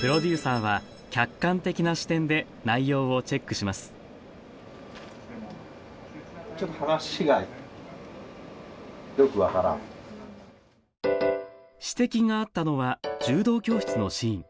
プロデューサーは客観的な視点で内容をチェックします指摘があったのは柔道教室のシーン。